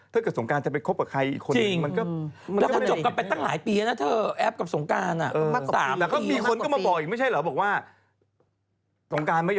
เธอกับสงการจะไปคบกับใครอีกคนอีกมันก็